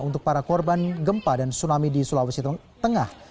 untuk para korban gempa dan tsunami di sulawesi tengah